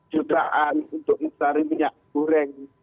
jutaan untuk mencari minyak goreng